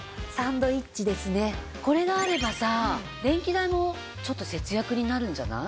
これがあればさ電気代もちょっと節約になるんじゃない？